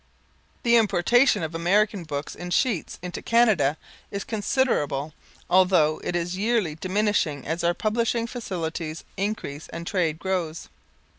The importation of American books in sheets into Canada is considerable, although it is yearly diminishing as our publishing facilities increase and trade grows.